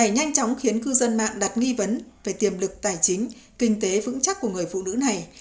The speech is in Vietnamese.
những cư dân mạng đặt nghi vấn về tiềm lực tài chính kinh tế vững chắc của người phụ nữ này